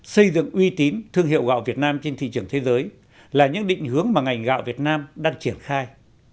xây dựng uy tín thương hiệu gạo việt nam trên thị trường thế giới là những định hướng mà ngành gạo việt nam đang triển khai